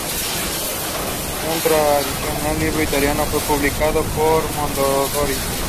Una traducción del libro al italiano fue publicada por Mondadori.